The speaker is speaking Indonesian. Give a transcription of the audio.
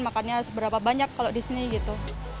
makannya seberapa banyak kalau di sini gitu